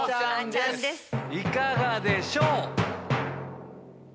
いかがでしょう？